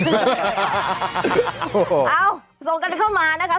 เอ้าส่งกันเข้ามานะคะ